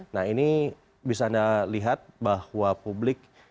nah ini bisa anda lihat bahwa publik